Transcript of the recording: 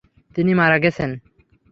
তিনি মারা গেছেন।